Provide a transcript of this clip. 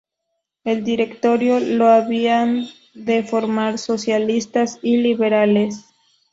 El Directorio lo habían de formar socialistas y liberales.